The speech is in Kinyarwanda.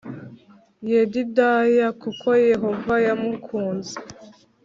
Yedidiya kuko Yehova yamukunze